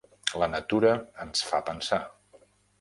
La natura ens fa pensar.